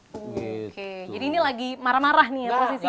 oke jadi ini lagi marah marah nih prosesinya